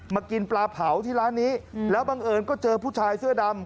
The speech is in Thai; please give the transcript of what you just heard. กินปลาเผาที่ร้านนี้แล้วบังเอิญก็เจอผู้ชายเสื้อดำ